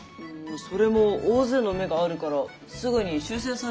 それも大勢の目があるからすぐに修正されるんじゃないかな。